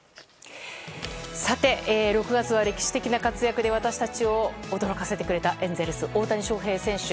さて、６月は歴史的な活躍で私たちを驚かせてくれたエンゼルス、大谷翔平選手。